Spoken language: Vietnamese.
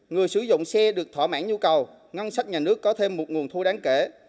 người sử dụng xe được thỏa mãn nhu cầu ngân sách nhà nước có thêm một nguồn thu đáng kể